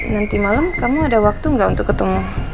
nanti malam kamu ada waktu nggak untuk ketemu